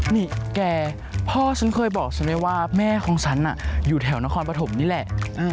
นี่แกพ่อฉันเคยบอกฉันไว้ว่าแม่ของฉันอยู่แถวนครปฐมนี่แหละ